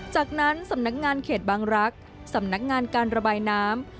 จากนั้นสำนักงานเขตบางรักษ์สำนักงานการระบายน้ำ